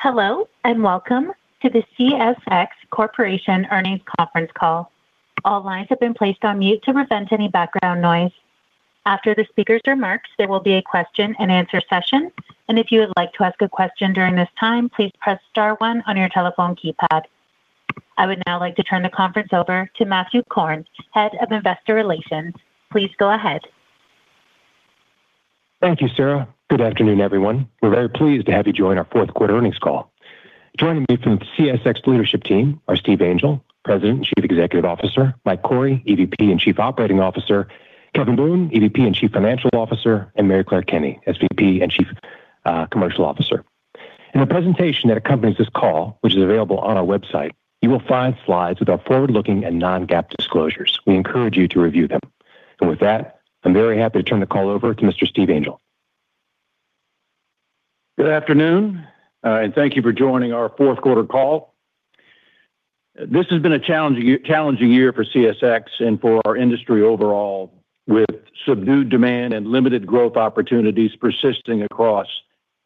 Hello, and welcome to the CSX Corporation Earnings Conference Call. All lines have been placed on mute to prevent any background noise. After the speakers are marked, there will be a question-and-answer session, and if you would like to ask a question during this time, please press star one on your telephone keypad. I would now like to turn the conference over to Matthew Korn, Head of Investor Relations. Please go ahead. Thank you, Sarah. Good afternoon, everyone. We're very pleased to have you join our fourth quarter earnings call. Joining me from the CSX leadership team are Steve Angel, President and Chief Executive Officer, Mike Cory, EVP and Chief Operating Officer, Kevin Boone, EVP and Chief Financial Officer, and Maryclare Kenney, SVP and Chief Commercial Officer. In the presentation that accompanies this call, which is available on our website, you will find slides with our forward-looking and non-GAAP disclosures. We encourage you to review them. And with that, I'm very happy to turn the call over to Mr. Steve Angel. Good afternoon, and thank you for joining our fourth quarter call. This has been a challenging year for CSX and for our industry overall, with subdued demand and limited growth opportunities persisting across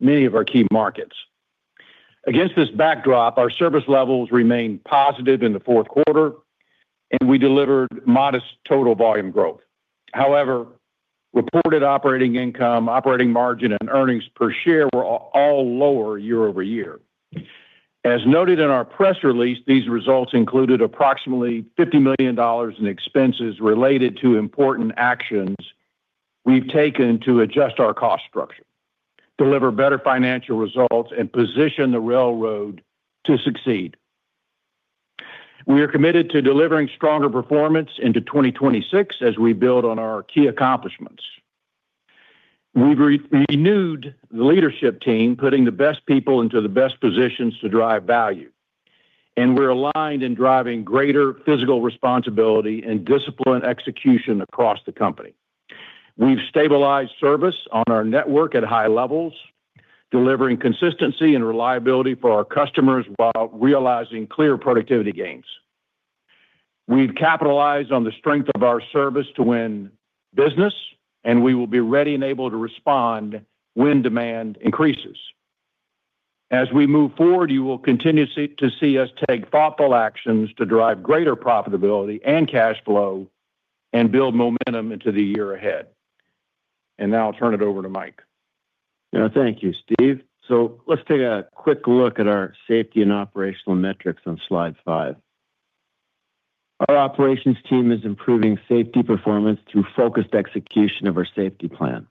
many of our key markets. Against this backdrop, our service levels remained positive in the fourth quarter, and we delivered modest total volume growth. However, reported operating income, operating margin, and earnings per share were all lower year-over-year. As noted in our press release, these results included approximately $50 million in expenses related to important actions we've taken to adjust our cost structure, deliver better financial results, and position the railroad to succeed. We are committed to delivering stronger performance into 2026 as we build on our key accomplishments. We've renewed the leadership team, putting the best people into the best positions to drive value, and we're aligned in driving greater fiscal responsibility and disciplined execution across the company. We've stabilized service on our network at high levels, delivering consistency and reliability for our customers while realizing clear productivity gains. We've capitalized on the strength of our service to win business, and we will be ready and able to respond when demand increases. As we move forward, you will continue to see us take thoughtful actions to drive greater profitability and cash flow and build momentum into the year ahead. And now I'll turn it over to Mike. Yeah, thank you, Steve. So let's take a quick look at our safety and operational metrics on slide five. Our operations team is improving safety performance through focused execution of our safety plan.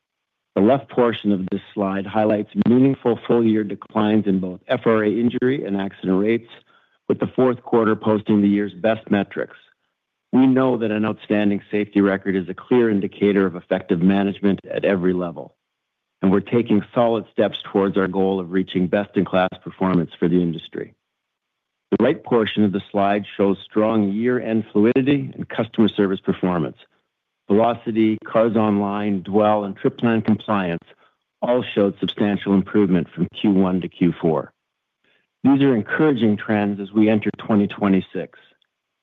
The left portion of this slide highlights meaningful full-year declines in both FRA injury and accident rates, with the fourth quarter posting the year's best metrics. We know that an outstanding safety record is a clear indicator of effective management at every level, and we're taking solid steps towards our goal of reaching best-in-class performance for the industry. The right portion of the slide shows strong year-end fluidity and customer service performance. Velocity, Cars Online, Dwell, and Trip Plan Compliance all showed substantial improvement from Q1 to Q4. These are encouraging trends as we enter 2026.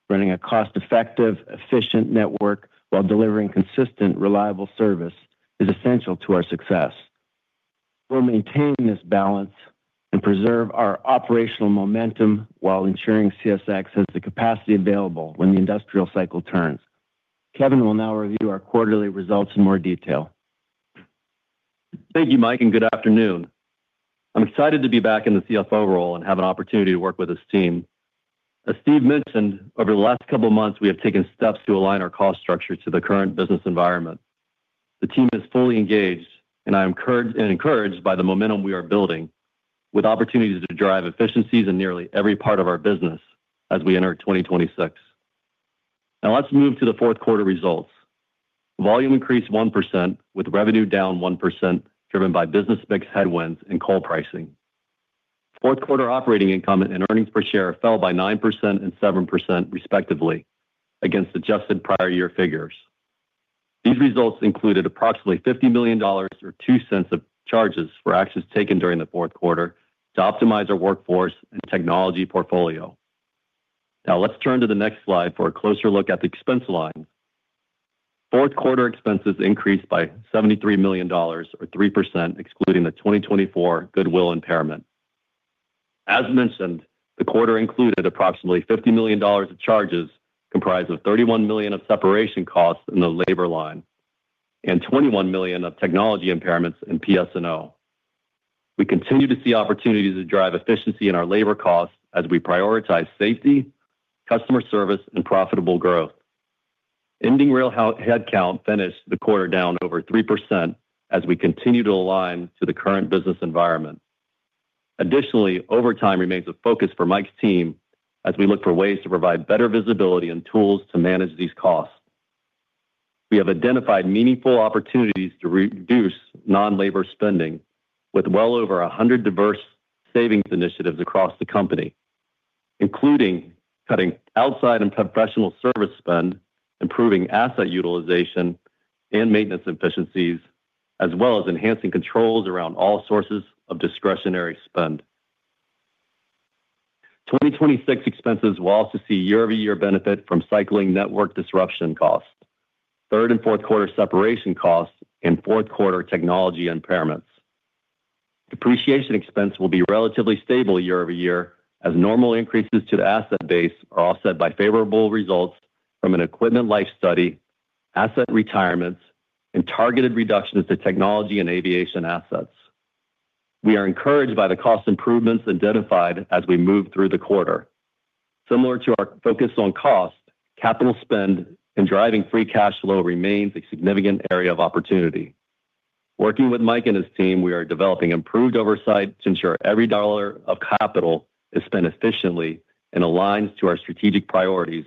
Running a cost-effective, efficient network while delivering consistent, reliable service is essential to our success. We'll maintain this balance and preserve our operational momentum while ensuring CSX has the capacity available when the industrial cycle turns. Kevin will now review our quarterly results in more detail. Thank you, Mike, and good afternoon. I'm excited to be back in the CFO role and have an opportunity to work with this team. As Steve mentioned, over the last couple of months, we have taken steps to align our cost structure to the current business environment. The team is fully engaged, and I'm encouraged by the momentum we are building, with opportunities to drive efficiencies in nearly every part of our business as we enter 2026. Now let's move to the fourth quarter results. Volume increased 1%, with revenue down 1%, driven by business mix headwinds and coal pricing. Fourth quarter operating income and earnings per share fell by 9% and 7%, respectively, against adjusted prior year figures. These results included approximately $50 million, or $0.02, of charges for actions taken during the fourth quarter to optimize our workforce and technology portfolio. Now let's turn to the next slide for a closer look at the expense line. Fourth quarter expenses increased by $73 million, or 3%, excluding the 2024 Goodwill Impairment. As mentioned, the quarter included approximately $50 million of charges comprised of $31 million of separation costs in the labor line and $21 million of technology impairments in PS&O. We continue to see opportunities to drive efficiency in our labor costs as we prioritize safety, customer service, and profitable growth. Ending headcount finished the quarter down over 3% as we continue to align to the current business environment. Additionally, overtime remains a focus for Mike's team as we look for ways to provide better visibility and tools to manage these costs. We have identified meaningful opportunities to reduce non-labor spending with well over 100 diverse savings initiatives across the company, including cutting outside and professional service spend, improving asset utilization and maintenance efficiencies, as well as enhancing controls around all sources of discretionary spend. 2026 expenses will also see year-over-year benefit from cycling network disruption costs, third and fourth quarter separation costs, and fourth quarter technology impairments. Depreciation expense will be relatively stable year-over-year as normal increases to the asset base are offset by favorable results from an equipment life study, asset retirements, and targeted reductions to technology and aviation assets. We are encouraged by the cost improvements identified as we move through the quarter. Similar to our focus on cost, capital spend and driving free cash flow remains a significant area of opportunity. Working with Mike and his team, we are developing improved oversight to ensure every dollar of capital is spent efficiently and aligns to our strategic priorities,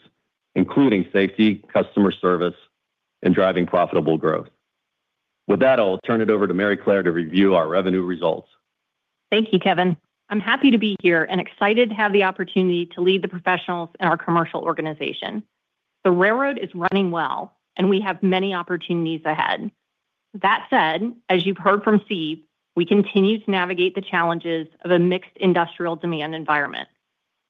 including safety, customer service, and driving profitable growth. With that, I'll turn it over to Maryclare to review our revenue results. Thank you, Kevin. I'm happy to be here and excited to have the opportunity to lead the professionals in our commercial organization. The railroad is running well, and we have many opportunities ahead. That said, as you've heard from Steve, we continue to navigate the challenges of a mixed industrial demand environment.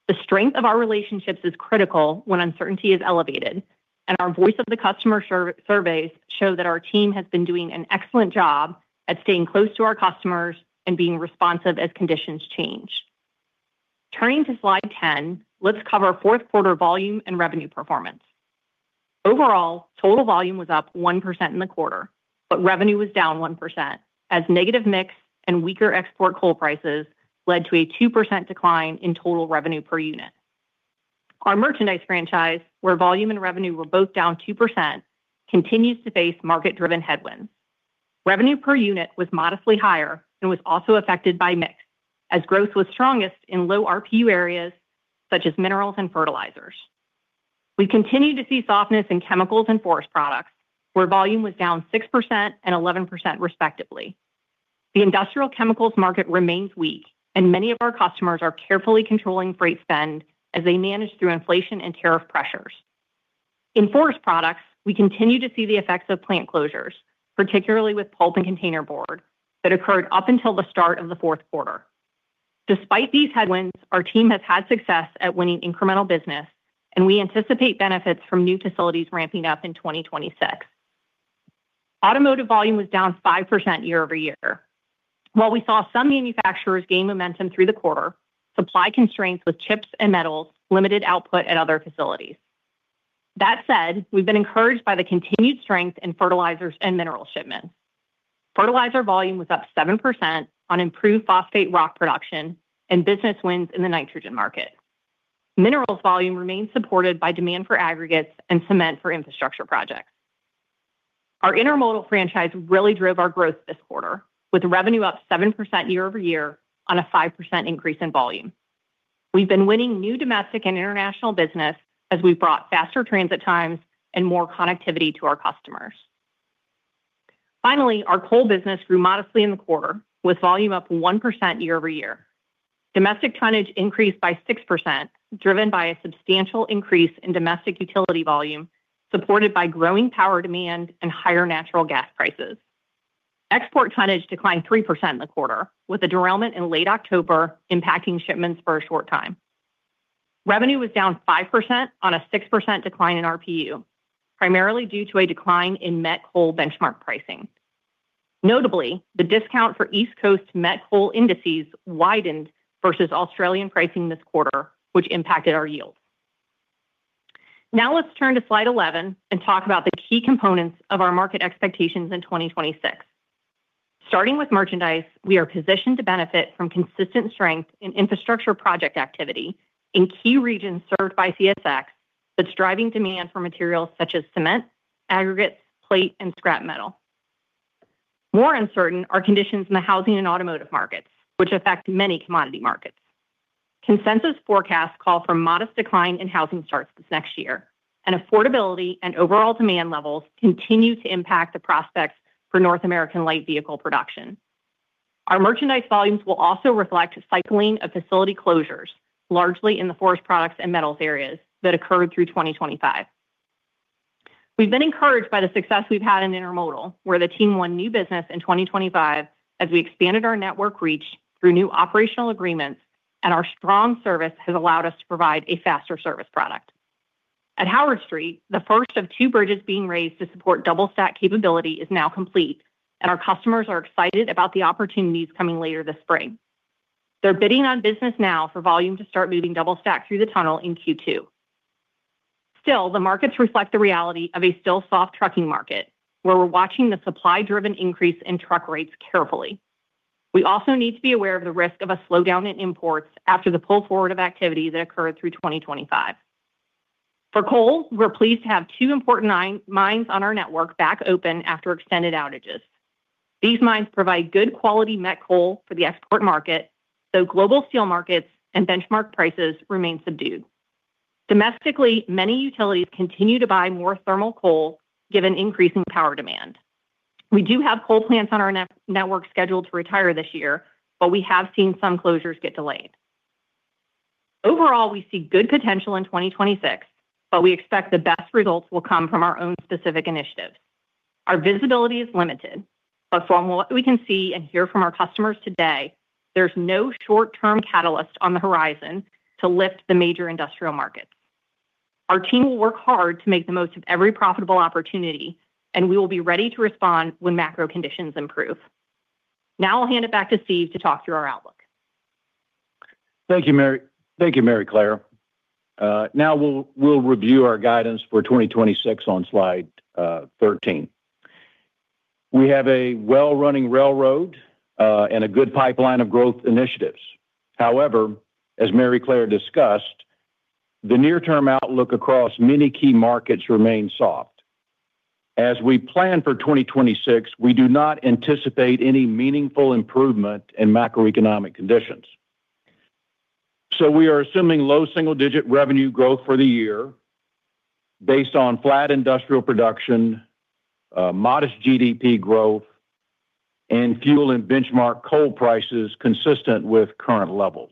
The strength of our relationships is critical when uncertainty is elevated, and our voice of the customer surveys show that our team has been doing an excellent job at staying close to our customers and being responsive as conditions change. Turning to slide 10, let's cover fourth quarter volume and revenue performance. Overall, total volume was up 1% in the quarter, but revenue was down 1% as negative mix and weaker export coal prices led to a 2% decline in total revenue per unit. Our merchandise franchise, where volume and revenue were both down 2%, continues to face market-driven headwinds. Revenue per unit was modestly higher and was also affected by mix as growth was strongest in low RPU areas such as minerals and fertilizers. We continue to see softness in chemicals and forest products, where volume was down 6% and 11%, respectively. The industrial chemicals market remains weak, and many of our customers are carefully controlling freight spend as they manage through inflation and tariff pressures. In forest products, we continue to see the effects of plant closures, particularly with pulp and containerboard, that occurred up until the start of the fourth quarter. Despite these headwinds, our team has had success at winning incremental business, and we anticipate benefits from new facilities ramping up in 2026. Automotive volume was down 5% year-over-year. While we saw some manufacturers gain momentum through the quarter, supply constraints with chips and metals limited output at other facilities. That said, we've been encouraged by the continued strength in fertilizers and mineral shipments. Fertilizer volume was up 7% on improved phosphate rock production and business wins in the nitrogen market. Minerals volume remains supported by demand for aggregates and cement for infrastructure projects. Our intermodal franchise really drove our growth this quarter, with revenue up 7% year-over-year on a 5% increase in volume. We've been winning new domestic and international business as we've brought faster transit times and more connectivity to our customers. Finally, our coal business grew modestly in the quarter, with volume up 1% year-over-year. Domestic tonnage increased by 6%, driven by a substantial increase in domestic utility volume supported by growing power demand and higher natural gas prices. Export tonnage declined 3% in the quarter, with a derailment in late October impacting shipments for a short time. Revenue was down 5% on a 6% decline in RPU, primarily due to a decline in met coal benchmark pricing. Notably, the discount for East Coast met coal indices widened versus Australian pricing this quarter, which impacted our yield. Now let's turn to slide 11 and talk about the key components of our market expectations in 2026. Starting with merchandise, we are positioned to benefit from consistent strength in infrastructure project activity in key regions served by CSX that's driving demand for materials such as cement, aggregates, plate, and scrap metal. More uncertain are conditions in the housing and automotive markets, which affect many commodity markets. Consensus forecasts call for a modest decline in housing starts this next year, and affordability and overall demand levels continue to impact the prospects for North American light vehicle production. Our merchandise volumes will also reflect cycling of facility closures, largely in the forest products and metals areas that occurred through 2025. We've been encouraged by the success we've had in intermodal, where the team won new business in 2025 as we expanded our network reach through new operational agreements, and our strong service has allowed us to provide a faster service product. At Howard Street, the first of two bridges being raised to support double-stack capability is now complete, and our customers are excited about the opportunities coming later this spring. They're bidding on business now for volume to start moving double-stack through the tunnel in Q2. Still, the markets reflect the reality of a still soft trucking market, where we're watching the supply-driven increase in truck rates carefully. We also need to be aware of the risk of a slowdown in imports after the pull forward of activity that occurred through 2025. For coal, we're pleased to have two important mines on our network back open after extended outages. These mines provide good quality met coal for the export market, though global steel markets and benchmark prices remain subdued. Domestically, many utilities continue to buy more thermal coal given increasing power demand. We do have coal plants on our network scheduled to retire this year, but we have seen some closures get delayed. Overall, we see good potential in 2026, but we expect the best results will come from our own specific initiatives. Our visibility is limited, but from what we can see and hear from our customers today, there's no short-term catalyst on the horizon to lift the major industrial markets. Our team will work hard to make the most of every profitable opportunity, and we will be ready to respond when macro conditions improve. Now I'll hand it back to Steve to talk through our outlook. Thank you, Maryclare. Now we'll review our guidance for 2026 on slide 13. We have a well-running railroad and a good pipeline of growth initiatives. However, as Maryclare discussed, the near-term outlook across many key markets remains soft. As we plan for 2026, we do not anticipate any meaningful improvement in macroeconomic conditions, so we are assuming low single-digit revenue growth for the year based on flat industrial production, modest GDP growth, and fuel and benchmark coal prices consistent with current levels.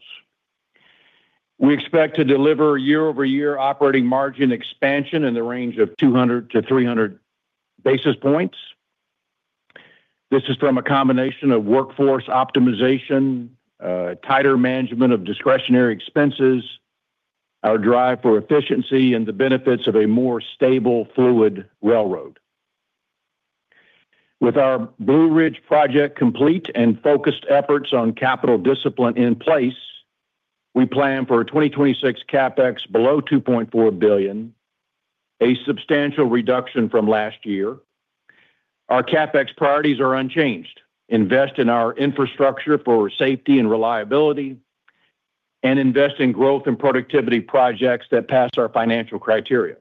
We expect to deliver year-over-year operating margin expansion in the range of 200-300 basis points. This is from a combination of workforce optimization, tighter management of discretionary expenses, our drive for efficiency, and the benefits of a more stable, fluid railroad. With our Blue Ridge project complete and focused efforts on capital discipline in place, we plan for a 2026 CapEx below $2.4 billion, a substantial reduction from last year. Our CapEx priorities are unchanged: invest in our infrastructure for safety and reliability, and invest in growth and productivity projects that pass our financial criteria.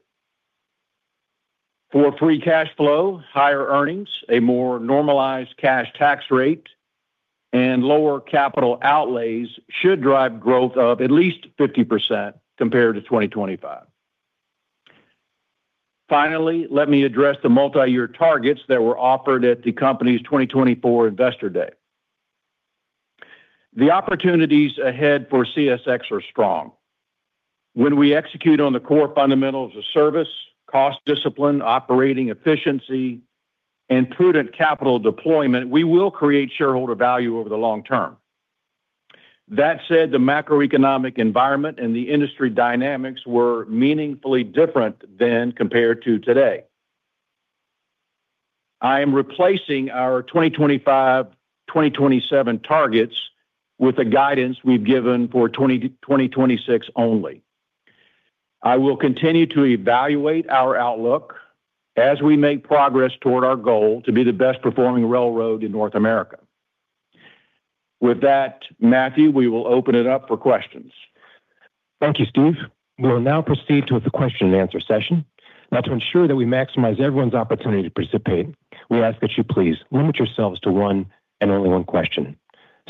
For free cash flow, higher earnings, a more normalized cash tax rate, and lower capital outlays should drive growth of at least 50% compared to 2025. Finally, let me address the multi-year targets that were offered at the company's 2024 investor day. The opportunities ahead for CSX are strong. When we execute on the core fundamentals of service, cost discipline, operating efficiency, and prudent capital deployment, we will create shareholder value over the long term. That said, the macroeconomic environment and the industry dynamics were meaningfully different than compared to today. I am replacing our 2025-2027 targets with the guidance we've given for 2026 only. I will continue to evaluate our outlook as we make progress toward our goal to be the best-performing railroad in North America. With that, Matthew, we will open it up for questions. Thank you, Steve. We will now proceed to the question-and-answer session. Now, to ensure that we maximize everyone's opportunity to participate, we ask that you please limit yourselves to one and only one question.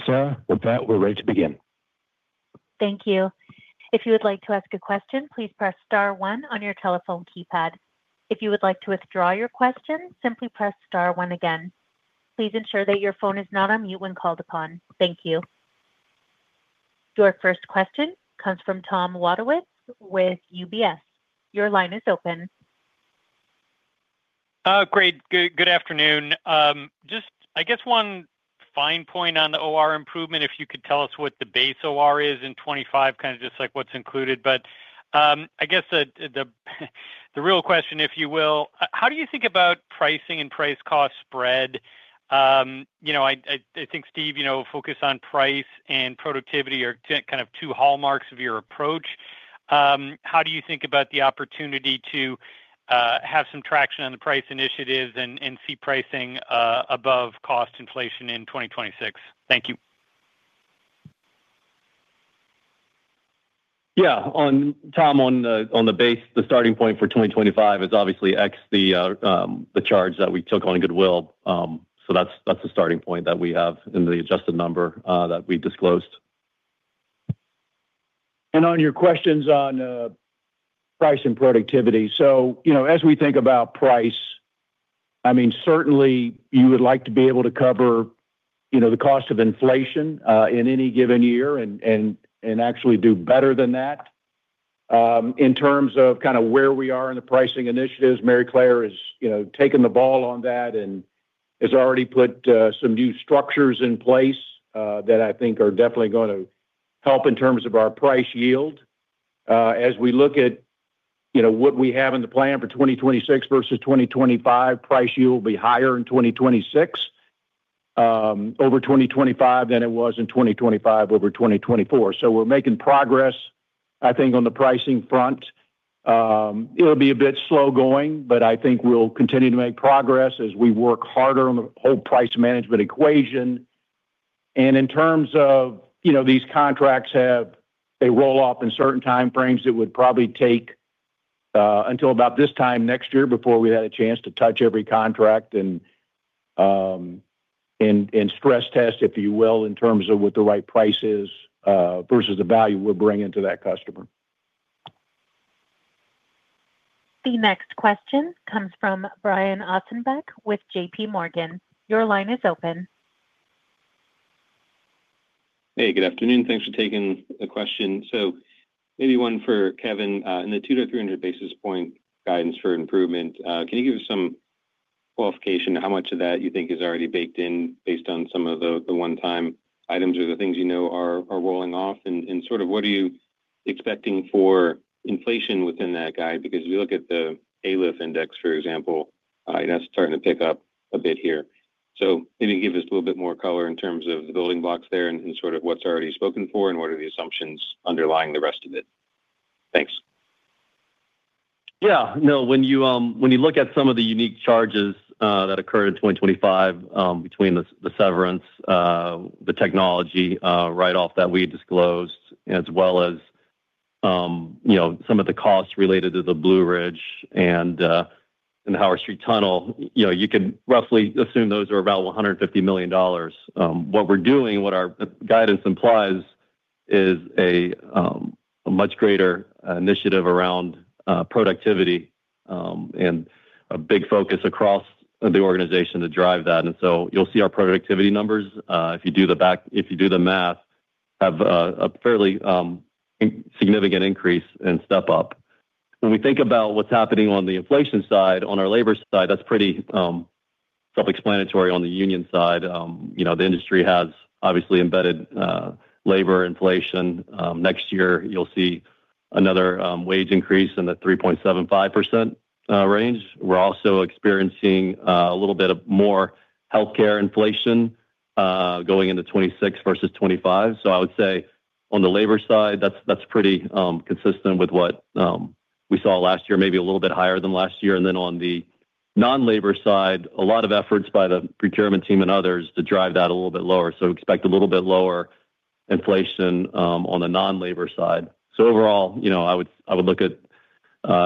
Sarah, with that, we're ready to begin. Thank you. If you would like to ask a question, please press star one on your telephone keypad. If you would like to withdraw your question, simply press star one again. Please ensure that your phone is not on mute when called upon. Thank you. Your first question comes from Tom Wadewitz with UBS. Your line is open. Great. Good afternoon. Just, I guess, one fine point on the OR improvement, if you could tell us what the base OR is in 2025, kind of just like what's included, but I guess the real question, if you will, how do you think about pricing and price-cost spread? I think, Steve, focus on price and productivity are kind of two hallmarks of your approach. How do you think about the opportunity to have some traction on the price initiatives and see pricing above cost inflation in 2026? Thank you. Yeah. Tom, on the base, the starting point for 2025 is obviously ex the charge that we took on Goodwill. So that's the starting point that we have in the adjusted number that we disclosed. And on your questions on price and productivity, so as we think about price, I mean, certainly, you would like to be able to cover the cost of inflation in any given year and actually do better than that. In terms of kind of where we are in the pricing initiatives, Maryclare has taken the ball on that and has already put some new structures in place that I think are definitely going to help in terms of our price yield. As we look at what we have in the plan for 2026 versus 2025, price yield will be higher in 2026 over 2025 than it was in 2025 over 2024. So we're making progress, I think, on the pricing front. It'll be a bit slow going, but I think we'll continue to make progress as we work harder on the whole price management equation. And in terms of these contracts have a roll-off in certain time frames that would probably take until about this time next year before we had a chance to touch every contract and stress test, if you will, in terms of what the right price is versus the value we're bringing to that customer. The next question comes from Brian Ossenbeck with JPMorgan. Your line is open. Hey, good afternoon. Thanks for taking the question. So maybe one for Kevin. In the 200-300 basis point guidance for improvement, can you give us some qualification to how much of that you think is already baked in based on some of the one-time items or the things you know are rolling off? And sort of what are you expecting for inflation within that guide? Because if you look at the AII-LF index, for example, that's starting to pick up a bit here. So maybe give us a little bit more color in terms of the building blocks there and sort of what's already spoken for and what are the assumptions underlying the rest of it. Thanks. Yeah. No, when you look at some of the unique charges that occurred in 2025 between the severance, the technology write-off that we disclosed, as well as some of the costs related to the Blue Ridge and the Howard Street Tunnel, you can roughly assume those are about $150 million. What we're doing, what our guidance implies, is a much greater initiative around productivity and a big focus across the organization to drive that. And so you'll see our productivity numbers, if you do the math, have a fairly significant increase and step up. When we think about what's happening on the inflation side on our labor side, that's pretty self-explanatory. On the union side, the industry has obviously embedded labor inflation. Next year, you'll see another wage increase in the 3.75% range. We're also experiencing a little bit more healthcare inflation going into 2026 versus 2025. So I would say on the labor side, that's pretty consistent with what we saw last year, maybe a little bit higher than last year. And then on the non-labor side, a lot of efforts by the procurement team and others to drive that a little bit lower. So expect a little bit lower inflation on the non-labor side. So overall, I would look at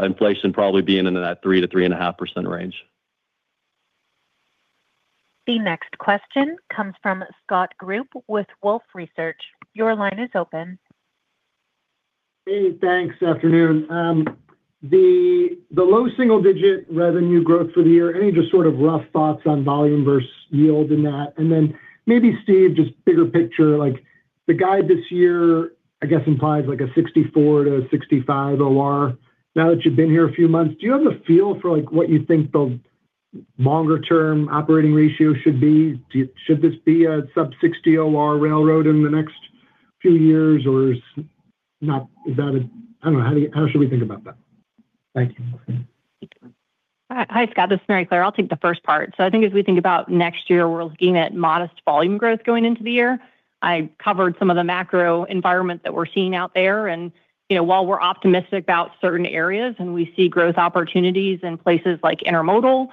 inflation probably being in that 3%-3.5% range. The next question comes from Scott Group with Wolfe Research. Your line is open. Hey, thanks. Good afternoon. The low single-digit revenue growth for the year, any just sort of rough thoughts on volume versus yield in that? And then maybe, Steve, just bigger picture, the guide this year, I guess, implies a 64-65 OR. Now that you've been here a few months, do you have a feel for what you think the longer-term operating ratio should be? Should this be a sub-60 OR railroad in the next few years, or is that a—I don't know. How should we think about that? Thank you. Hi, Scott. This is Maryclare. I'll take the first part. So I think as we think about next year, we're looking at modest volume growth going into the year. I covered some of the macro environment that we're seeing out there. And while we're optimistic about certain areas and we see growth opportunities in places like intermodal,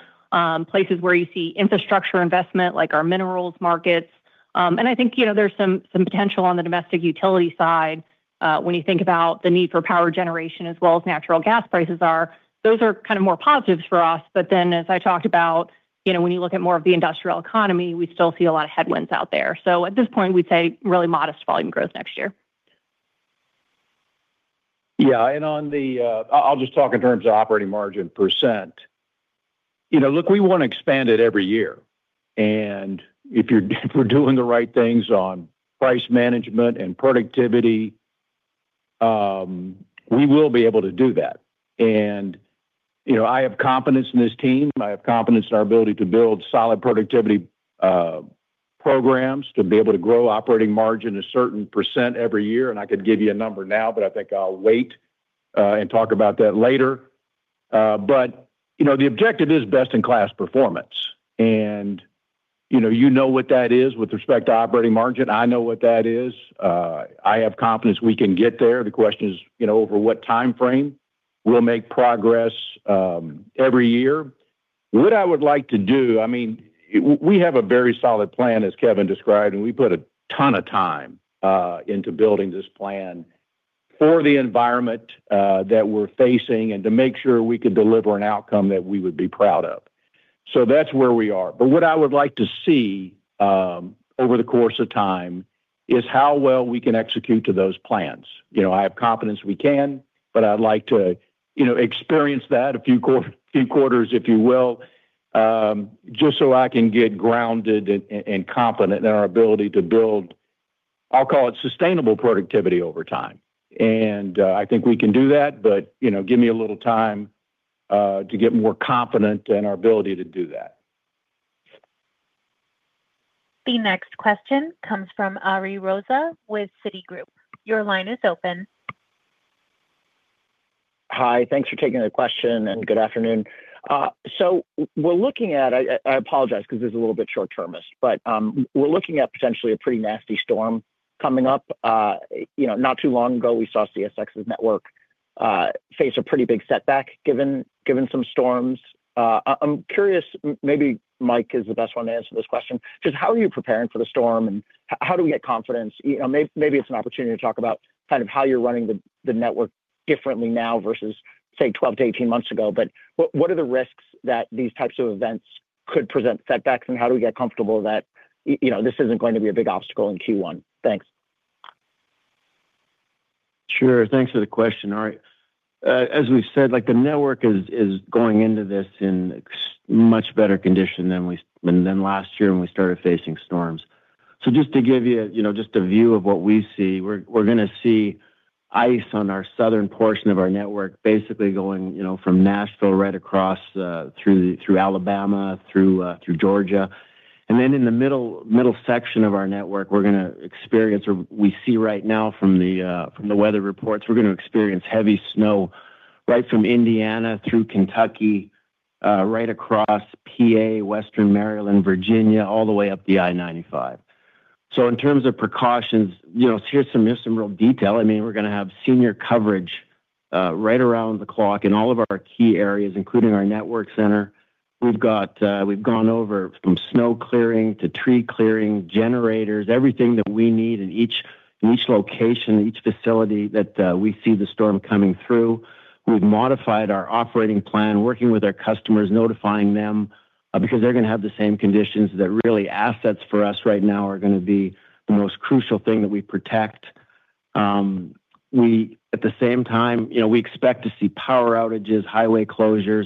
places where you see infrastructure investment like our minerals markets, and I think there's some potential on the domestic utility side when you think about the need for power generation as well as natural gas prices are, those are kind of more positives for us. But then, as I talked about, when you look at more of the industrial economy, we still see a lot of headwinds out there. So at this point, we'd say really modest volume growth next year. Yeah. And I'll just talk in terms of operating margin percent. Look, we want to expand it every year. And if we're doing the right things on price management and productivity, we will be able to do that. And I have confidence in this team. I have confidence in our ability to build solid productivity programs to be able to grow operating margin a certain % every year. And I could give you a number now, but I think I'll wait and talk about that later. But the objective is best-in-class performance. And you know what that is with respect to operating margin. I know what that is. I have confidence we can get there. The question is over what time frame we'll make progress every year. What I would like to do, I mean, we have a very solid plan, as Kevin described, and we put a ton of time into building this plan for the environment that we're facing and to make sure we can deliver an outcome that we would be proud of. So that's where we are. But what I would like to see over the course of time is how well we can execute to those plans. I have confidence we can, but I'd like to experience that a few quarters, if you will, just so I can get grounded and confident in our ability to build, I'll call it sustainable productivity over time. And I think we can do that, but give me a little time to get more confident in our ability to do that. The next question comes from Ari Rosa with Citigroup. Your line is open. Hi. Thanks for taking the question and Good afternoon. So we're looking at—I apologize because this is a little bit short-termist—but we're looking at potentially a pretty nasty storm coming up. Not too long ago, we saw CSX's network face a pretty big setback given some storms. I'm curious, maybe Mike is the best one to answer this question, just how are you preparing for the storm and how do we get confidence? Maybe it's an opportunity to talk about kind of how you're running the network differently now versus, say, 12 to 18 months ago. But what are the risks that these types of events could present setbacks, and how do we get comfortable that this isn't going to be a big obstacle in Q1? Thanks. Sure. Thanks for the question. All right. As we've said, the network is going into this in much better condition than last year when we started facing storms, so just to give you just a view of what we see, we're going to see ice on our southern portion of our network, basically going from Nashville right across through Alabama, through Georgia, and then in the middle section of our network, we're going to experience, or we see right now from the weather reports, we're going to experience heavy snow right from Indiana through Kentucky, right across PA, Western Maryland, Virginia, all the way up the I-95, so in terms of precautions, here's some real detail. I mean, we're going to have senior coverage right around the clock in all of our key areas, including our network center. We've gone over from snow clearing to tree clearing, generators, everything that we need in each location, each facility that we see the storm coming through. We've modified our operating plan, working with our customers, notifying them because they're going to have the same conditions that really assets for us right now are going to be the most crucial thing that we protect. At the same time, we expect to see power outages, highway closures.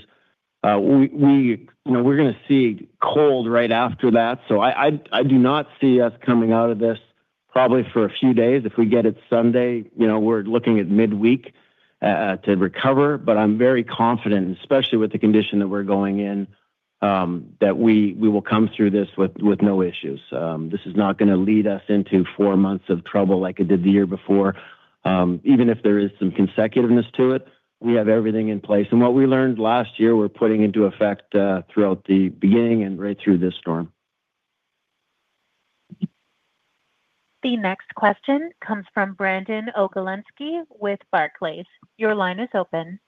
We're going to see cold right after that, so I do not see us coming out of this probably for a few days. If we get it Sunday, we're looking at midweek to recover, but I'm very confident, especially with the condition that we're going in, that we will come through this with no issues. This is not going to lead us into four months of trouble like it did the year before. Even if there is some consecutiveness to it, we have everything in place. And what we learned last year, we're putting into effect throughout the beginning and right through this storm. The next question comes from Brandon Oglenski with Barclays. Your line is open.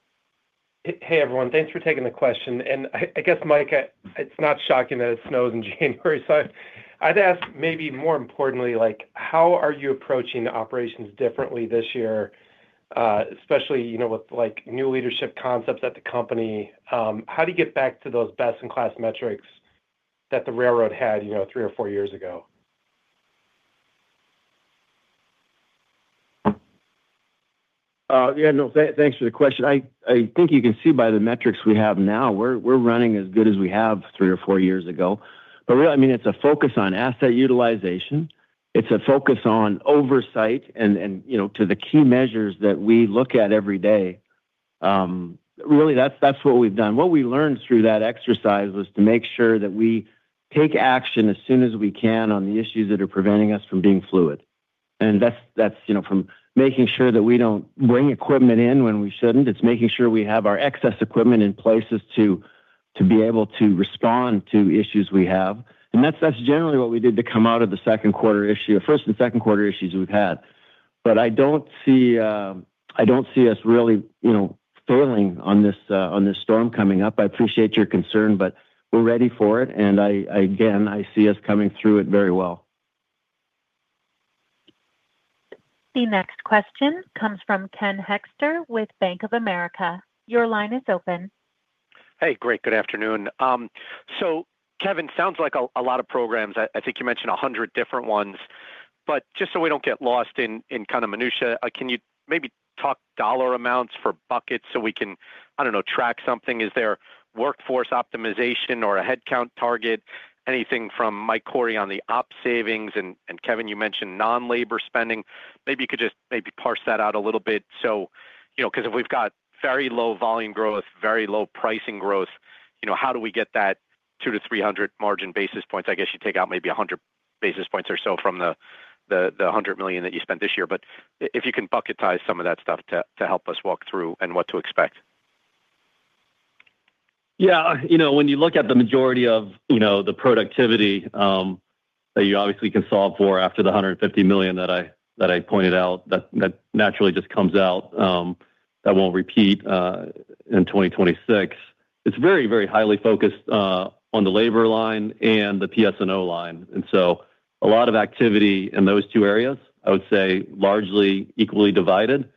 Hey, everyone. Thanks for taking the question. I guess, Mike, it's not shocking that it snows in January. I'd ask, maybe more importantly, how are you approaching operations differently this year, especially with new leadership concepts at the company? How do you get back to those best-in-class metrics that the railroad had three or four years ago? Yeah. No, thanks for the question. I think you can see by the metrics we have now, we're running as good as we have three or four years ago, but really, I mean, it's a focus on asset utilization. It's a focus on oversight and to the key measures that we look at every day. Really, that's what we've done. What we learned through that exercise was to make sure that we take action as soon as we can on the issues that are preventing us from being fluid, and that's from making sure that we don't bring equipment in when we shouldn't. It's making sure we have our excess equipment in places to be able to respond to issues we have, and that's generally what we did to come out of the second quarter issue, first and second quarter issues we've had. But I don't see us really failing on this storm coming up. I appreciate your concern, but we're ready for it. And again, I see us coming through it very well. The next question comes from Ken Hoexter with Bank of America. Your line is open. Hey, great. Good afternoon. So Kevin, sounds like a lot of programs. I think you mentioned 100 different ones. But just so we don't get lost in kind of minutia, can you maybe talk dollar amounts for buckets so we can, I don't know, track something? Is there workforce optimization or a headcount target, anything from Mike Cory on the op savings? And Kevin, you mentioned non-labor spending. Maybe you could just maybe parse that out a little bit because if we've got very low volume growth, very low pricing growth, how do we get that 200-300 margin basis points? I guess you take out maybe 100 basis points or so from the $100 million that you spent this year. But if you can bucketize some of that stuff to help us walk through and what to expect. Yeah. When you look at the majority of the productivity that you obviously can solve for after the $150 million that I pointed out, that naturally just comes out, that won't repeat in 2026. It's very, very highly focused on the labor line and the PS&O line. And so a lot of activity in those two areas, I would say, largely equally divided.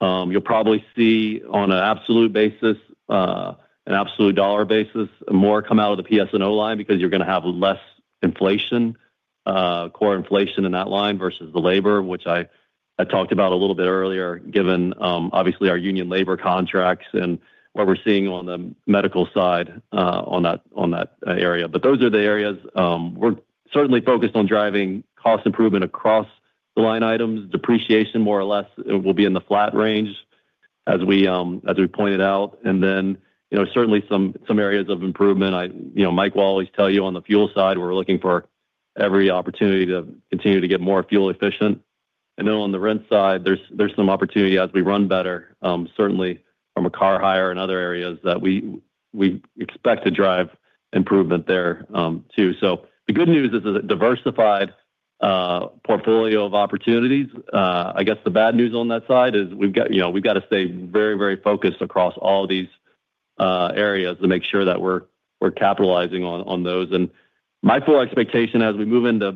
You'll probably see on an absolute basis, an absolute dollar basis, more come out of the PS&O line because you're going to have less inflation, core inflation in that line versus the labor, which I talked about a little bit earlier, given obviously our union labor contracts and what we're seeing on the medical side on that area. But those are the areas. We're certainly focused on driving cost improvement across the line items. Depreciation, more or less, will be in the flat range, as we pointed out. And then certainly some areas of improvement. Mike will always tell you on the fuel side, we're looking for every opportunity to continue to get more fuel efficient. And then on the rent side, there's some opportunity as we run better, certainly from a car hire and other areas that we expect to drive improvement there too. So the good news is a diversified portfolio of opportunities. I guess the bad news on that side is we've got to stay very, very focused across all these areas to make sure that we're capitalizing on those. My full expectation as we move into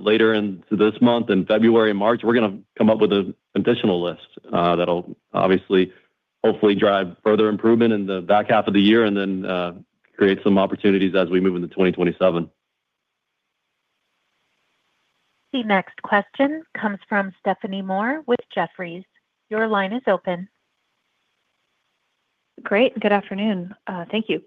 later this month in February and March, we're going to come up with an additional list that'll obviously hopefully drive further improvement in the back half of the year and then create some opportunities as we move into 2027. The next question comes from Stephanie Moore with Jefferies. Your line is open. Great. Good afternoon. Thank you.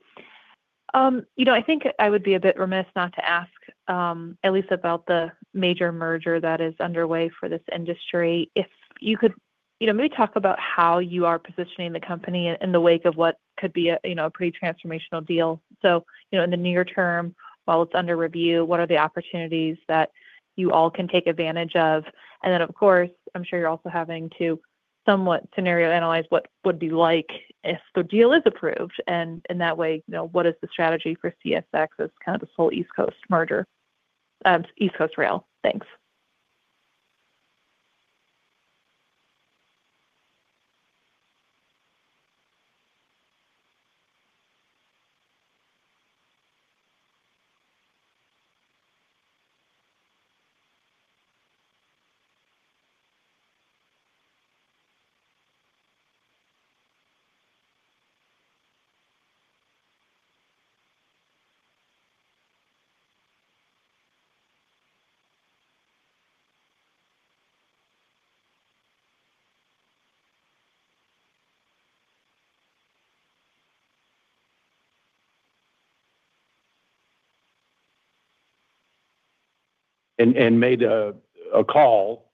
I think I would be a bit remiss not to ask at least about the major merger that is underway for this industry. If you could maybe talk about how you are positioning the company in the wake of what could be a pretty transformational deal. So in the near term, while it's under review, what are the opportunities that you all can take advantage of? And then, of course, I'm sure you're also having to somewhat scenario analyze what it would be like if the deal is approved. And in that way, what is the strategy for CSX as kind of the sole East Coast merger? East Coast rail. Thanks. And made a call.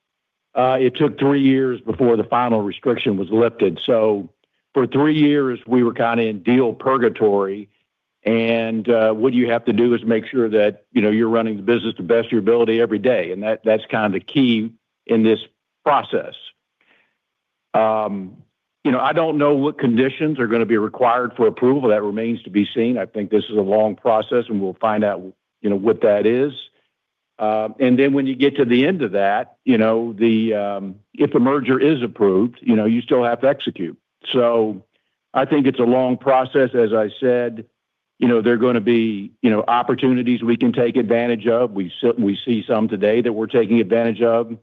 It took three years before the final restriction was lifted. So for three years, we were kind of in deal purgatory. And what you have to do is make sure that you're running the business to the best of your ability every day. And that's kind of the key in this process. I don't know what conditions are going to be required for approval. That remains to be seen. I think this is a long process, and we'll find out what that is. And then when you get to the end of that, if the merger is approved, you still have to execute. So I think it's a long process. As I said, there are going to be opportunities we can take advantage of. We see some today that we're taking advantage of.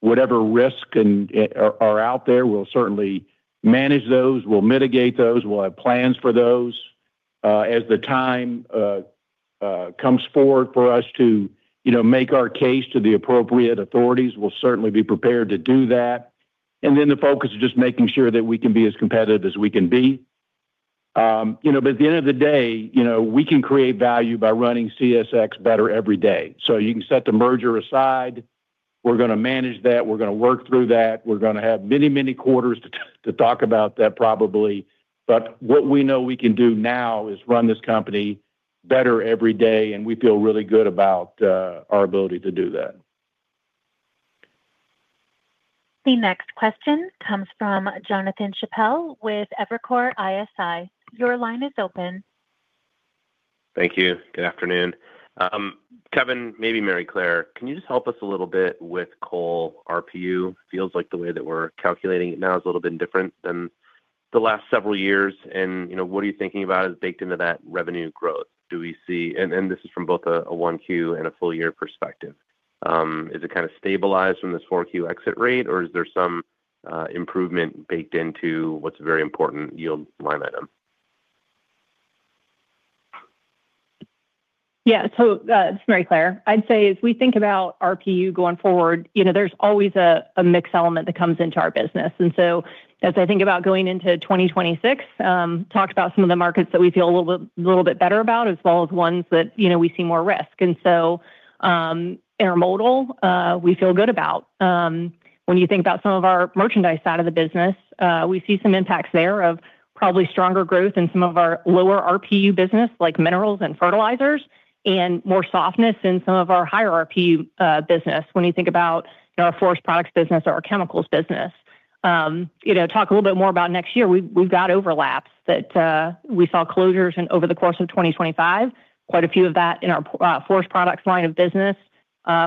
Whatever risks are out there, we'll certainly manage those. We'll mitigate those. We'll have plans for those. As the time comes forward for us to make our case to the appropriate authorities, we'll certainly be prepared to do that, and then the focus is just making sure that we can be as competitive as we can be, but at the end of the day, we can create value by running CSX better every day, so you can set the merger aside. We're going to manage that. We're going to work through that. We're going to have many, many quarters to talk about that probably, but what we know we can do now is run this company better every day, and we feel really good about our ability to do that. The next question comes from Jonathan Chappell with Evercore ISI. Your line is open. Thank you. Good afternoon. Kevin, maybe Maryclare, can you just help us a little bit with coal RPU? Feels like the way that we're calculating it now is a little bit different than the last several years. And what are you thinking about as baked into that revenue growth? And this is from both a Q1 and a full-year perspective. Is it kind of stabilized from this Q4 exit rate, or is there some improvement baked into what's a very important yield line item? Yeah. This is Maryclare Kenney. I'd say if we think about RPU going forward, there's always a mixed element that comes into our business. So as I think about going into 2026, talk about some of the markets that we feel a little bit better about, as well as ones that we see more risk. Intermodal, we feel good about. When you think about some of our merchandise side of the business, we see some impacts there of probably stronger growth in some of our lower RPU business, like minerals and fertilizers, and more softness in some of our higher RPU business when you think about our forest products business or our chemicals business. Talk a little bit more about next year. We've got overlaps that we saw closures over the course of 2025, quite a few of that in our forest products line of business.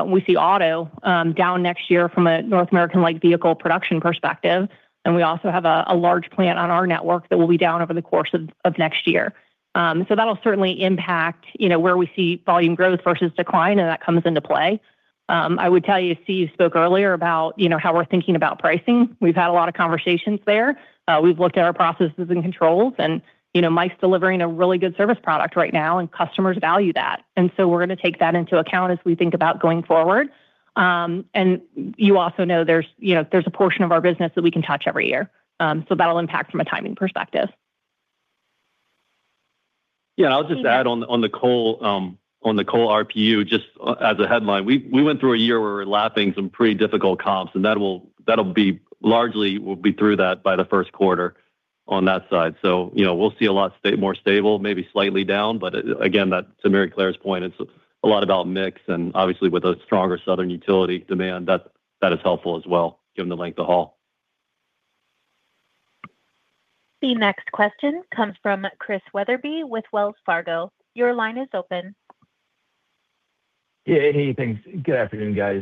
We see auto down next year from a North American-like vehicle production perspective. We also have a large plant on our network that will be down over the course of next year. So that'll certainly impact where we see volume growth versus decline, and that comes into play. I would tell you, Steve spoke earlier about how we're thinking about pricing. We've had a lot of conversations there. We've looked at our processes and controls, and Mike's delivering a really good service product right now, and customers value that. So we're going to take that into account as we think about going forward. You also know there's a portion of our business that we can touch every year. So that'll impact from a timing perspective. Yeah. And I'll just add on the coal RPU, just as a headline, we went through a year where we're lapping some pretty difficult comps, and that'll be largely we'll be through that by the first quarter on that side. So we'll see a lot more stable, maybe slightly down. But again, to Maryclare's point, it's a lot about mix. And obviously, with a stronger southern utility demand, that is helpful as well, given the length of haul. The next question comes from Chris Wetherbee with Wells Fargo. Your line is open. Hey, thanks. Good afternoon, guys.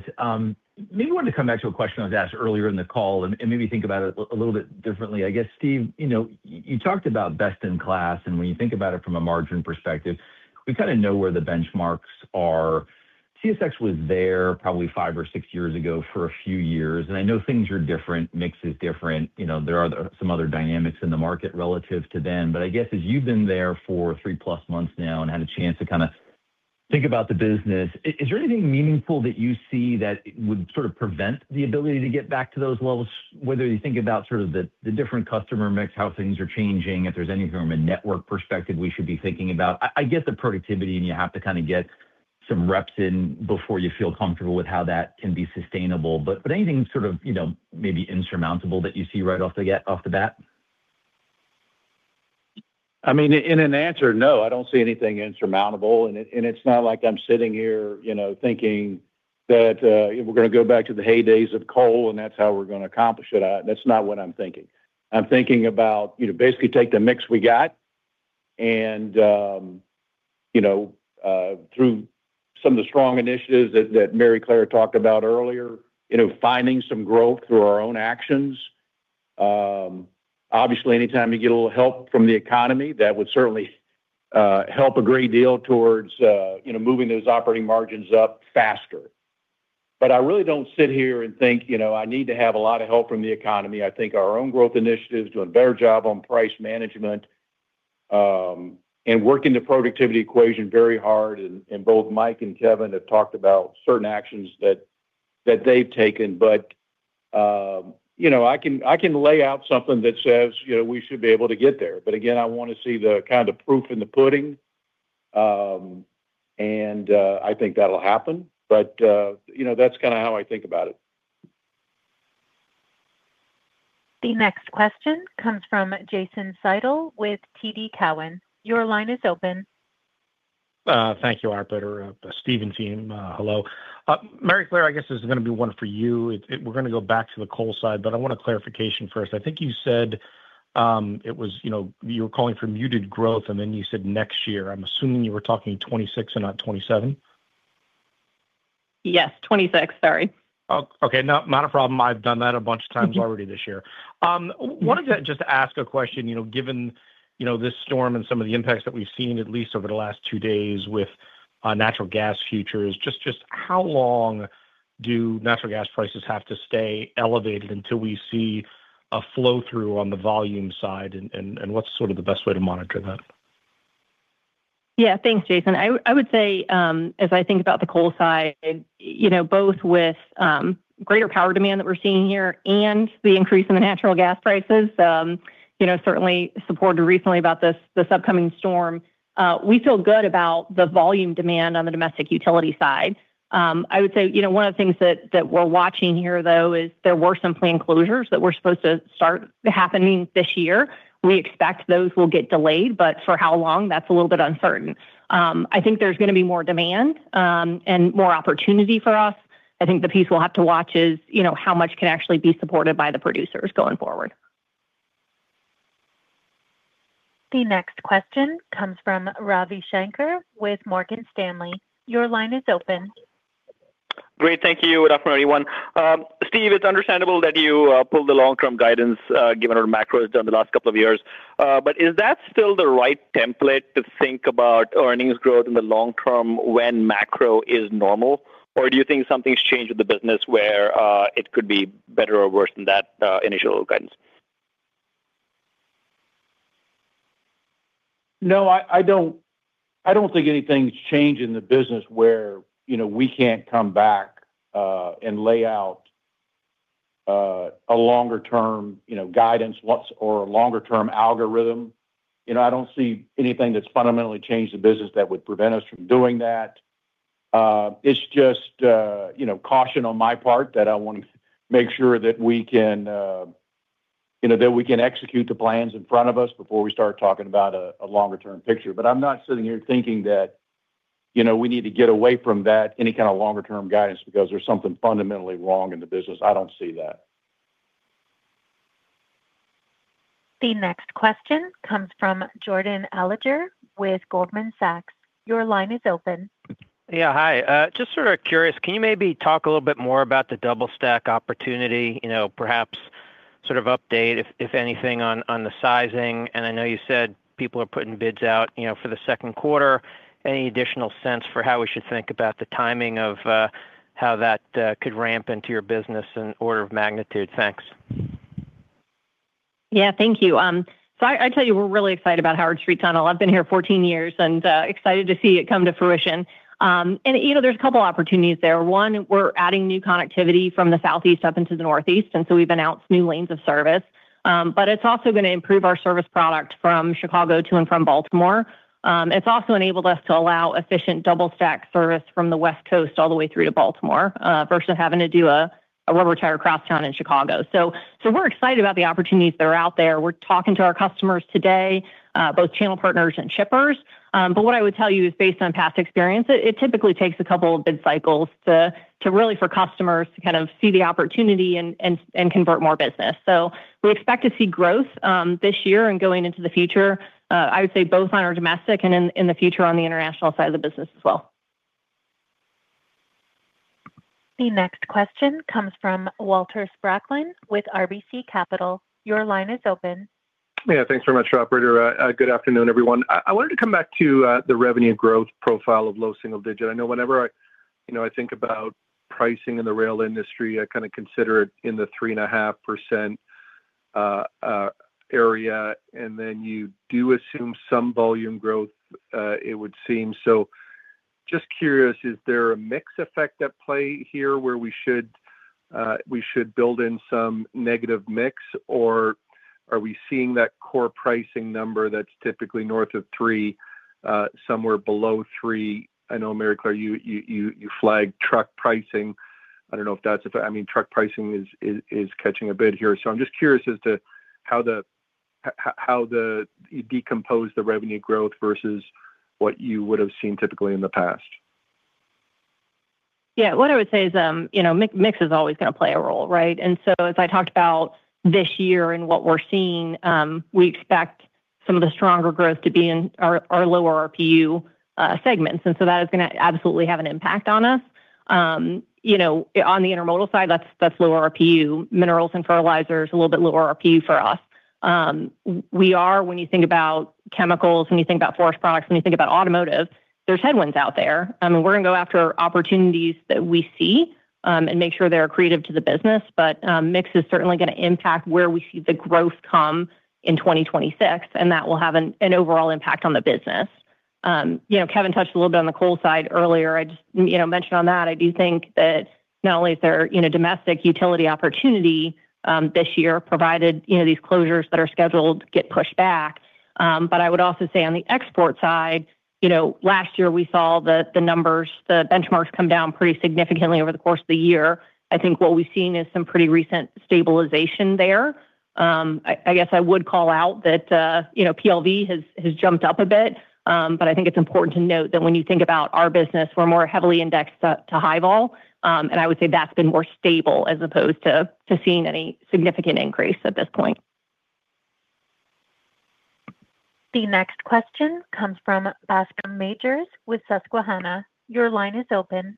Maybe I wanted to come back to a question I was asked earlier in the call and maybe think about it a little bit differently. I guess, Steve, you talked about best-in-class, and when you think about it from a margin perspective, we kind of know where the benchmarks are. CSX was there probably five or six years ago for a few years. And I know things are different. Mix is different. There are some other dynamics in the market relative to them. But I guess as you've been there for three-plus months now and had a chance to kind of think about the business, is there anything meaningful that you see that would sort of prevent the ability to get back to those levels, whether you think about sort of the different customer mix, how things are changing, if there's anything from a network perspective we should be thinking about? I get the productivity, and you have to kind of get some reps in before you feel comfortable with how that can be sustainable. But anything sort of maybe insurmountable that you see right off the bat? I mean, in an answer, no, I don't see anything insurmountable. It's not like I'm sitting here thinking that we're going to go back to the heydays of coal, and that's how we're going to accomplish it. That's not what I'm thinking. I'm thinking about basically take the mix we got and through some of the strong initiatives that Maryclare talked about earlier, finding some growth through our own actions. Obviously, anytime you get a little help from the economy, that would certainly help a great deal towards moving those operating margins up faster. I really don't sit here and think I need to have a lot of help from the economy. I think our own growth initiatives, doing a better job on price management, and working the productivity equation very hard. Both Mike and Kevin have talked about certain actions that they've taken. But I can lay out something that says we should be able to get there. But again, I want to see the kind of proof in the pudding. And I think that'll happen. But that's kind of how I think about it. The next question comes from Jason Seidl with TD Cowen. Your line is open. Thank you, Operator. Stepping in for him, hello. Maryclare, I guess this is going to be one for you. We're going to go back to the coal side, but I want a clarification first. I think you said you were calling for muted growth, and then you said next year. I'm assuming you were talking 2026 and not 2027? Yes, 2026. Sorry. Okay. Not a problem. I've done that a bunch of times already this year. Wanted to just ask a question. Given this storm and some of the impacts that we've seen, at least over the last two days with natural gas futures, just how long do natural gas prices have to stay elevated until we see a flow-through on the volume side, and what's sort of the best way to monitor that? Yeah. Thanks, Jason. I would say, as I think about the coal side, both with greater power demand that we're seeing here and the increase in the natural gas prices, certainly supported recently about this upcoming storm, we feel good about the volume demand on the domestic utility side. I would say one of the things that we're watching here, though, is there were some planned closures that were supposed to start happening this year. We expect those will get delayed, but for how long, that's a little bit uncertain. I think there's going to be more demand and more opportunity for us. I think the piece we'll have to watch is how much can actually be supported by the producers going forward. The next question comes from Ravi Shankar with Morgan Stanley. Your line is open. Great. Thank you. Good afternoon, everyone. Steve, it's understandable that you pull the long-term guidance given our macro in the last couple of years. But is that still the right template to think about earnings growth in the long term when macro is normal, or do you think something's changed with the business where it could be better or worse than that initial guidance? No, I don't think anything's changed in the business where we can't come back and lay out a longer-term guidance or a longer-term algorithm. I don't see anything that's fundamentally changed the business that would prevent us from doing that. It's just caution on my part that I want to make sure that we can execute the plans in front of us before we start talking about a longer-term picture. But I'm not sitting here thinking that we need to get away from that any kind of longer-term guidance because there's something fundamentally wrong in the business. I don't see that. The next question comes from Jordan Alliger with Goldman Sachs. Your line is open. Yeah. Hi. Just sort of curious. Can you maybe talk a little bit more about the double-stack opportunity, perhaps sort of update, if anything, on the sizing? And I know you said people are putting bids out for the second quarter. Any additional sense for how we should think about the timing of how that could ramp into your business in order of magnitude? Thanks. Yeah. Thank you. So I tell you, we're really excited about Howard Street Tunnel. I've been here 14 years and excited to see it come to fruition. And there's a couple of opportunities there. One, we're adding new connectivity from the Southeast up into the Northeast. And so we've announced new lanes of service. But it's also going to improve our service product from Chicago to and from Baltimore. It's also enabled us to allow efficient double-stack service from the West Coast all the way through to Baltimore versus having to do a rubber tire crosstown in Chicago. So we're excited about the opportunities that are out there. We're talking to our customers today, both channel partners and shippers. But what I would tell you is based on past experience, it typically takes a couple of bid cycles really for customers to kind of see the opportunity and convert more business. So we expect to see growth this year and going into the future, I would say both on our domestic and in the future on the international side of the business as well. The next question comes from Walter Spracklin with RBC Capital. Your line is open. Yeah. Thanks very much, operator. Good afternoon, everyone. I wanted to come back to the revenue growth profile of low single-digit. I know whenever I think about pricing in the rail industry, I kind of consider it in the 3.5% area. And then you do assume some volume growth, it would seem. So just curious, is there a mix effect at play here where we should build in some negative mix, or are we seeing that core pricing number that's typically north of three, somewhere below three? I know, Maryclare, you flagged truck pricing. I don't know if that's a - I mean, truck pricing is catching a bid here. So I'm just curious as to how you decompose the revenue growth versus what you would have seen typically in the past. Yeah. What I would say is mix is always going to play a role, right? And so as I talked about this year and what we're seeing, we expect some of the stronger growth to be in our lower RPU segments. And so that is going to absolutely have an impact on us. On the intermodal side, that's lower RPU. Minerals and fertilizer is a little bit lower RPU for us. We are, when you think about chemicals, when you think about forest products, when you think about automotive, there's headwinds out there. I mean, we're going to go after opportunities that we see and make sure they're accretive to the business. But mix is certainly going to impact where we see the growth come in 2026, and that will have an overall impact on the business. Kevin touched a little bit on the coal side earlier. I just mentioned on that. I do think that not only is there domestic utility opportunity this year provided these closures that are scheduled get pushed back, but I would also say on the export side, last year we saw the numbers, the benchmarks come down pretty significantly over the course of the year. I think what we've seen is some pretty recent stabilization there. I guess I would call out that PLV has jumped up a bit, but I think it's important to note that when you think about our business, we're more heavily indexed to Hi-Vol, and I would say that's been more stable as opposed to seeing any significant increase at this point. The next question comes from Bascome Majors with Susquehanna. Your line is open.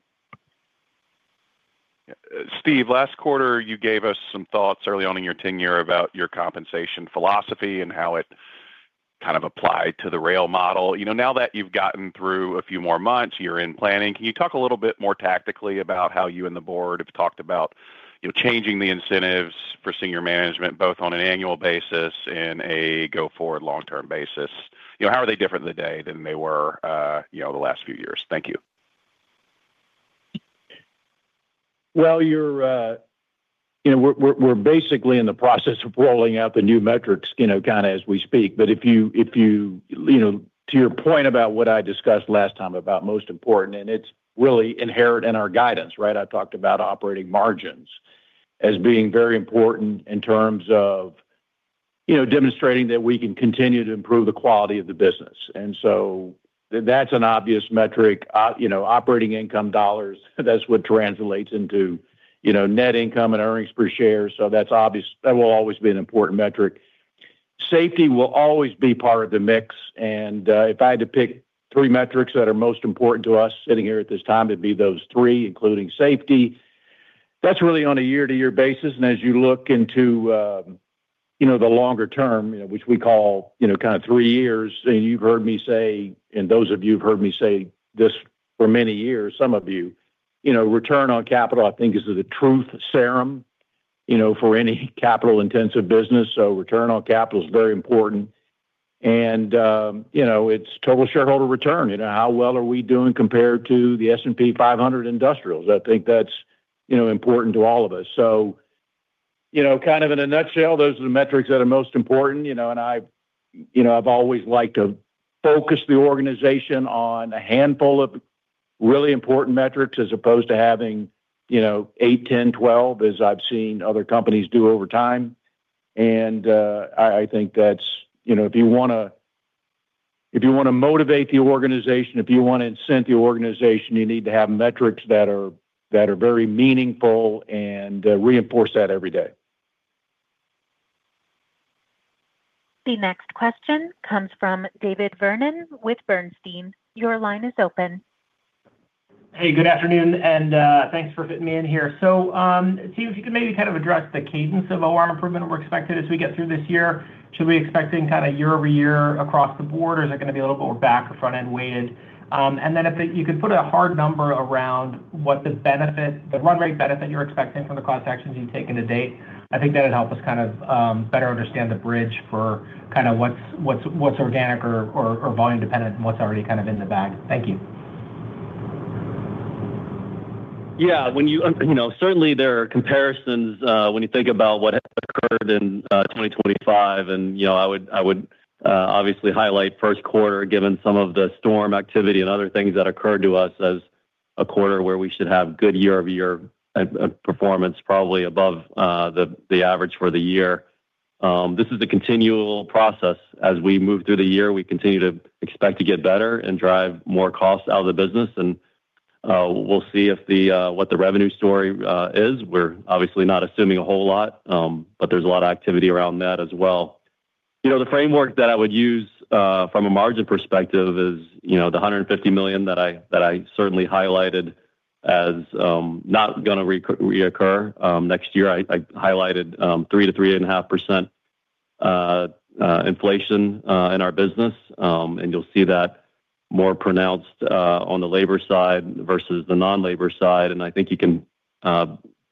Steve, last quarter, you gave us some thoughts early on in your tenure about your compensation philosophy and how it kind of applied to the rail model. Now that you've gotten through a few more months, you're in planning. Can you talk a little bit more tactically about how you and the board have talked about changing the incentives for senior management, both on an annual basis and a go-forward long-term basis? How are they different today than they were the last few years? Thank you. We're basically in the process of rolling out the new metrics kind of as we speak. But to your point about what I discussed last time about most important, and it's really inherent in our guidance, right? I talked about operating margins as being very important in terms of demonstrating that we can continue to improve the quality of the business. So that's an obvious metric. Operating income dollars, that's what translates into net income and earnings per share. That will always be an important metric. Safety will always be part of the mix. If I had to pick three metrics that are most important to us sitting here at this time, it'd be those three, including safety. That's really on a year-to-year basis. As you look into the longer term, which we call kind of three years, and you've heard me say, and those of you who've heard me say this for many years, some of you, return on capital, I think, is the truth serum for any capital-intensive business. So return on capital is very important. It's total shareholder return. How well are we doing compared to the S&P 500 Industrials? I think that's important to all of us. Kind of in a nutshell, those are the metrics that are most important. I've always liked to focus the organization on a handful of really important metrics as opposed to having 8, 10, 12, as I've seen other companies do over time. I think that's if you want to motivate the organization, if you want to incent the organization, you need to have metrics that are very meaningful and reinforce that every day. The next question comes from David Vernon with Bernstein. Your line is open. Hey, good afternoon. And thanks for fitting me in here. So Steve, if you could maybe kind of address the cadence of OR improvement we're expecting as we get through this year, should we be expecting kind of year-over-year across the board, or is it going to be a little bit more back or front-end weighted? And then if you could put a hard number around what the run-rate benefit you're expecting from the cost actions you've taken to date, I think that would help us kind of better understand the bridge for kind of what's organic or volume-dependent and what's already kind of in the bag. Thank you. Yeah. Certainly, there are comparisons when you think about what occurred in 2025, and I would obviously highlight first quarter, given some of the storm activity and other things that occurred to us, as a quarter where we should have good year-over-year performance, probably above the average for the year. This is a continual process. As we move through the year, we continue to expect to get better and drive more costs out of the business, and we'll see what the revenue story is. We're obviously not assuming a whole lot, but there's a lot of activity around that as well. The framework that I would use from a margin perspective is the $150 million that I certainly highlighted as not going to reoccur next year. I highlighted 3 to 3.5% inflation in our business, and you'll see that more pronounced on the labor side versus the non-labor side. I think you can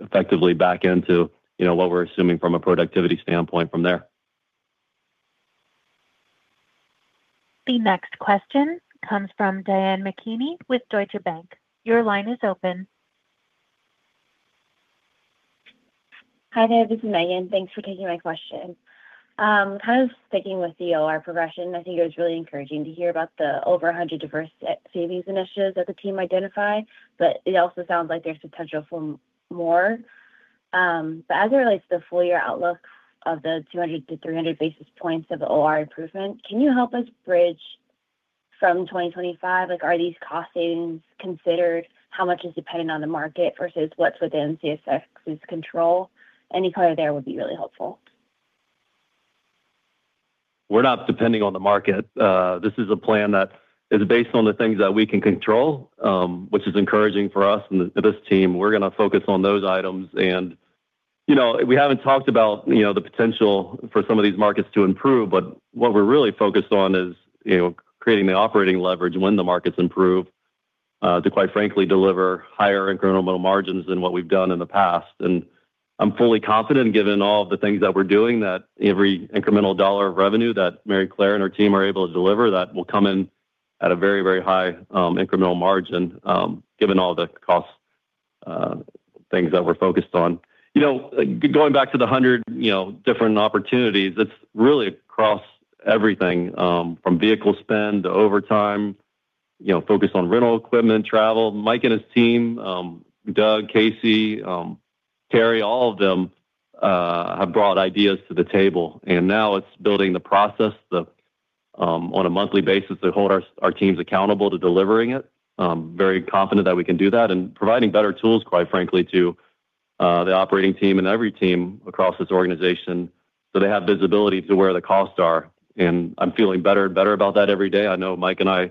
effectively back into what we're assuming from a productivity standpoint from there. The next question comes from Diane McKinney with Deutsche Bank. Your line is open. Hi there. This is Megan. Thanks for taking my question. Kind of sticking with the OR progression, I think it was really encouraging to hear about the over 100 diverse savings initiatives that the team identified. But it also sounds like there's potential for more. But as it relates to the full-year outlook of the 200-300 basis points of OR improvement, can you help us bridge from 2025? Are these cost savings considered? How much is dependent on the market versus what's within CSX's control? Any color there would be really helpful. We're not depending on the market. This is a plan that is based on the things that we can control, which is encouraging for us and this team. We're going to focus on those items, and we haven't talked about the potential for some of these markets to improve, but what we're really focused on is creating the operating leverage when the markets improve to, quite frankly, deliver higher incremental margins than what we've done in the past, and I'm fully confident, given all of the things that we're doing, that every incremental dollar of revenue that Maryclare and her team are able to deliver, that will come in at a very, very high incremental margin, given all the cost things that we're focused on. Going back to the 100 different opportunities, it's really across everything from vehicle spend to overtime, focus on rental equipment, travel. Mike and his team, Doug, Casey, Terry, all of them have brought ideas to the table. And now it's building the process on a monthly basis to hold our teams accountable to delivering it. Very confident that we can do that and providing better tools, quite frankly, to the operating team and every team across this organization so they have visibility to where the costs are. And I'm feeling better and better about that every day. I know Mike and I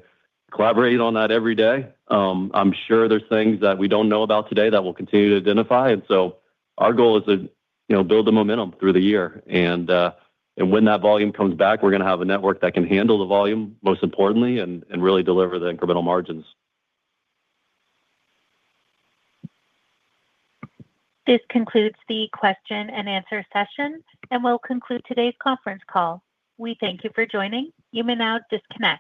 collaborate on that every day. I'm sure there's things that we don't know about today that we'll continue to identify. And so our goal is to build the momentum through the year. And when that volume comes back, we're going to have a network that can handle the volume, most importantly, and really deliver the incremental margins. This concludes the question and answer session, and we'll conclude today's conference call. We thank you for joining. You may now disconnect.